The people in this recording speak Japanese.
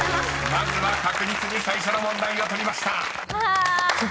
［まずは確実に最初の問題を取りました］